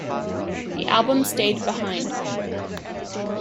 The album stayed behind.